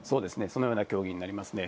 そのような教義になりますね。